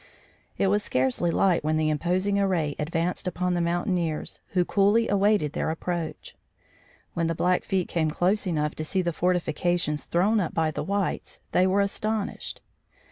It was scarcely light when the imposing array advanced upon the mountaineers, who coolly awaited their approach. When the Blackfeet came close enough to see the fortifications thrown up by the whites, they were astonished.